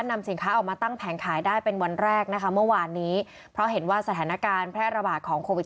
นำสินค้าออกมาตั้งแผงขายได้เป็นวันแรกนะคะเมื่อวานนี้เพราะเห็นว่าสถานการณ์แพร่ระบาดของโควิด